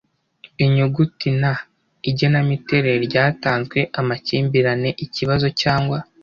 inyuguti na igenamiterere ryatanzwe. amakimbirane, ikibazo cyangwa